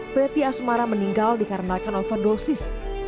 preti asmara meninggal dikarenakan overdosis